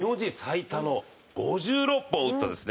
日本人最多の５６本打ったですね